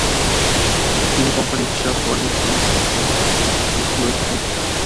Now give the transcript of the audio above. তিনি কোম্পানির হিসাব গরমিল করে ইচ্ছামতো দৈনিক প্রতিবেদন তৈরি করতে থাকেন।